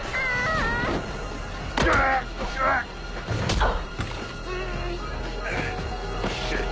あっ！